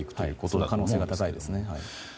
その可能性が高いですね。